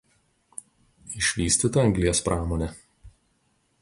Išvystyta anglies pramonė.